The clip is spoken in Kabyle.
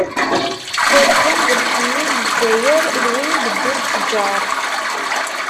Wagi d lḥenni n Lzzayer, d win i d-wwin tteǧǧar.